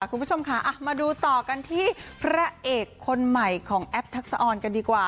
คุณผู้ชมค่ะมาดูต่อกันที่พระเอกคนใหม่ของแอปทักษะออนกันดีกว่า